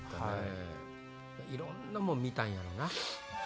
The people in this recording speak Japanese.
いろんなもん見たんやろな。